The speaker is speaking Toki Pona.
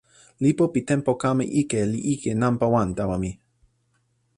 lipu pi tenpo kama ike li ike nanpa wan tawa mi.